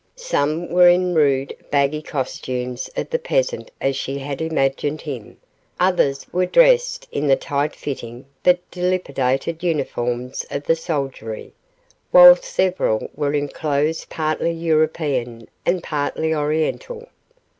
Some were in the rude, baggy costumes of the peasant as she had imagined him; others were dressed in the tight fitting but dilapidated uniforms of the soldiery, while several were in clothes partly European and partly Oriental.